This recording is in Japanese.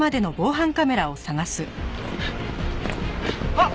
あっ！